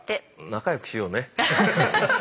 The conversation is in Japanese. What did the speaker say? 仲よくしようね。